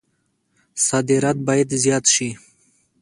صادرات باید زیات شي